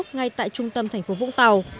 ngay tại trung tâm thành phố vũng tàu